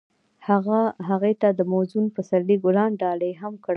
هغه هغې ته د موزون پسرلی ګلان ډالۍ هم کړل.